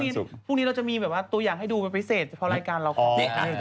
แต่พรุ่งนี้เราจะมีตัวอย่างให้ดูให้ประเภทร่ายการเรามีนะ